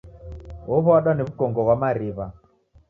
Ow'adwa ni w'ukongo ghwa mariw'a